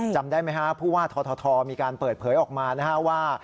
จำได้ไหมครับเพราะว่าทททมีการเปิดเผยออกมานะครับว่า